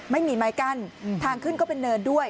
ไม่มีไม้กั้นทางขึ้นก็เป็นเนินด้วย